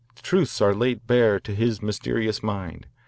Truths are laid bare to his mysterious mind.